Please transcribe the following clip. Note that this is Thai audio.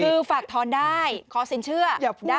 คือฝากทอนได้ขอสินเชื่อ